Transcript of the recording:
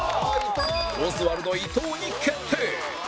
オズワルド伊藤に決定